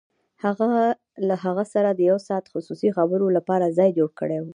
هغه له هغه سره د يو ساعته خصوصي خبرو لپاره ځای جوړ کړی و.